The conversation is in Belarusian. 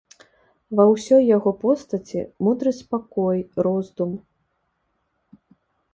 Ва ўсёй яго постаці мудры спакой, роздум.